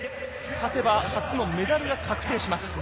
勝てば初のメダルが確定します。